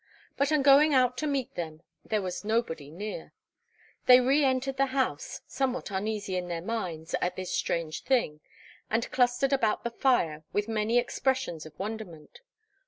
But on going out to meet them, there was nobody near. They re entered the house, somewhat uneasy in their minds at this strange thing, and clustered about the fire, with many expressions of wonderment.